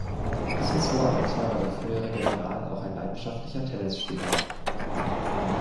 Bis ins hohe Alter war der frühere General auch ein leidenschaftlicher Tennisspieler.